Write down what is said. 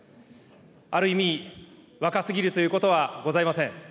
ある意味、若すぎるということはございません。